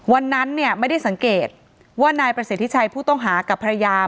วันนั้นเนี่ยไม่ได้สังเกตว่านายประสิทธิชัยผู้ต้องหากับภรรยา